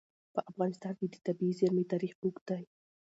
په افغانستان کې د طبیعي زیرمې تاریخ اوږد دی.